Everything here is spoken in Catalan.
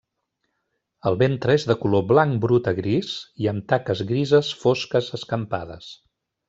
El ventre és de color blanc brut a gris i amb taques grises fosques escampades.